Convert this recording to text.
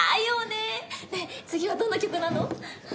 ねえ次はどんな曲なの？